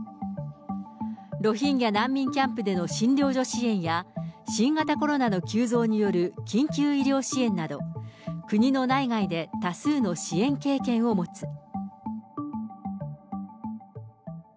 ロヒンギャ難民キャンプでの診療所支援や、新型コロナの急増による緊急医療支援など、国の内外で多数の支援経験を持つ。